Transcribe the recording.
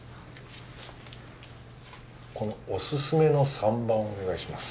このおすすめの３番をお願いします。